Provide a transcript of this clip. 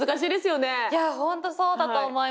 いや本当そうだと思います。